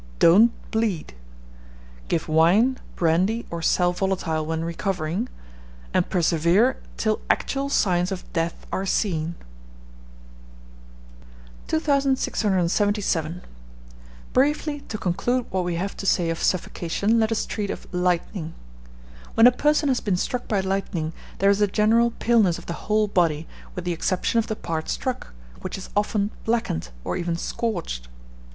Don't bleed. Give wine, brandy, or sal volatile when recovering, and persevere till actual signs of death are seen. 2677. Briefly to conclude what we have to say of suffocation, let us treat of Lightning. When a person has been struck by lightning, there is a general paleness of the whole body, with the exception of the part struck, which is often blackened, or even scorched.